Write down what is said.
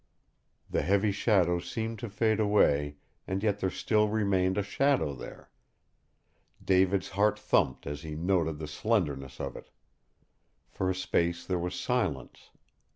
The heavy shadow seemed to fade away, and yet there still remained a shadow there. David's heart thumped as he noted the slenderness of it. For a space there was silence.